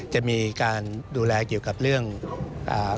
จะมีการดูแลเกี่ยวกับเรื่องอ่า